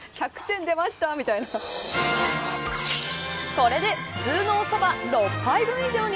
これで普通のおそば６杯分以上に。